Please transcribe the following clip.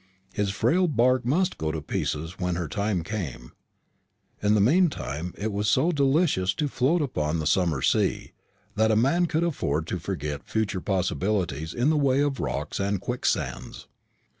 His frail bark must go to pieces when her time came. In the meanwhile it was so delicious to float upon the summer sea, that a man could afford to forget future possibilities in the way of rocks and quicksands.